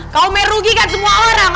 kau merugikan semua orang